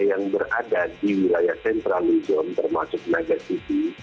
yang berada di wilayah central luzon termasuk nagasiti